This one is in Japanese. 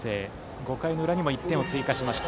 ５回の裏にも１点を追加しました。